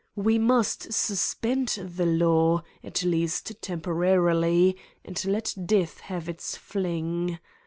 We must suspend the law, at least temporarily, and let death have its fling.